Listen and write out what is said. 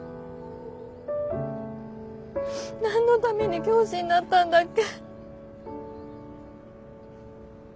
何のために教師になったんだっけ。